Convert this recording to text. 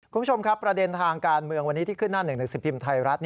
คุณผู้ชมครับประเด็นทางการเมืองวันนี้ที่ขึ้นหน้าหนึ่งหนังสือพิมพ์ไทยรัฐ